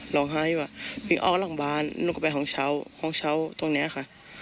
ร้องไห้ว่าวิ่งออกหลังบ้านหนูก็ไปห้องเช้าห้องเช้าตรงนี้ค่ะ